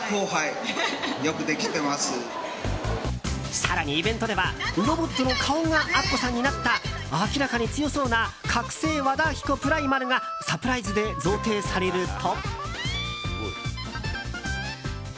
更にイベントではロボットの顔がアッコさんになった明らかに強そうな覚醒和田アキ子プライマルがサプライズで贈呈されると。